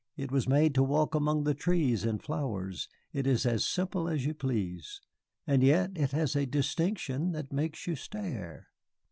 It was made to walk among the trees and flowers, it is as simple as you please; and yet it has a distinction that makes you stare."